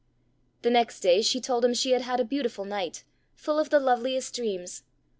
The next day she told him she had had a beautiful night, full of the loveliest dreams.